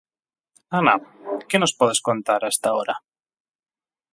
Ana, que nos podes contar a esta hora.